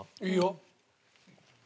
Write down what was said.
いいよ。